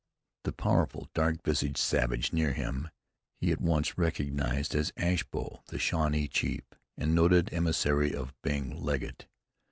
The powerful, dark visaged savage near him he at once recognized as Ashbow, the Shawnee chief, and noted emissary of Bing Legget.